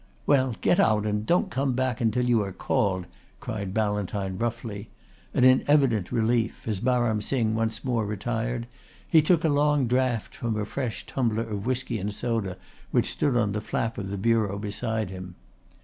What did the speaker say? "Well, get out and don't come back until you are called," cried Ballantyne roughly, and in evident relief as Baram Singh once more retired he took a long draught from a fresh tumbler of whisky and soda which stood on the flap of the bureau beside him.